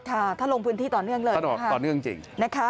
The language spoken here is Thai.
ท่านลงพื้นที่ต่อเนื่องเลยต่อเนื่องจริงนะคะ